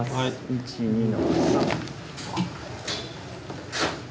１２の３！